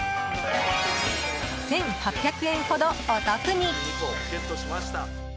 １８００円ほどお得に。